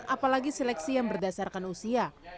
apalagi seleksi yang berdasarkan usia